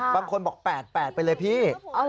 บางคนบอก๘๘ไปเลยพี่